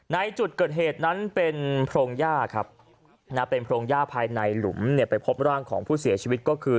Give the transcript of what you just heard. ในจุดเกิดเหตุนั้นเป็นโพรงย่าครับนะเป็นโพรงย่าภายในหลุมเนี่ยไปพบร่างของผู้เสียชีวิตก็คือ